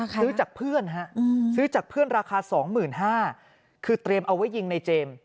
ซื้อจากเพื่อนฮะซื้อจากเพื่อนราคา๒๕๐๐บาทคือเตรียมเอาไว้ยิงในเจมส์